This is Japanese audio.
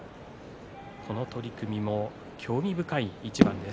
この取組も興味深い一番です。